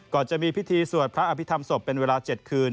จะมีพิธีสวดพระอภิษฐรรมศพเป็นเวลา๗คืน